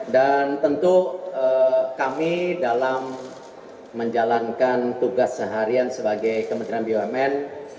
dan tentu kami dalam menjalankan tugas seharian sebagai kementerian bumn